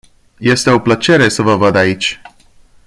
Este o plăcere să vă văd aici.